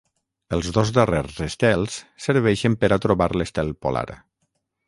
Els dos darrers estels serveixen per a trobar l'estel polar.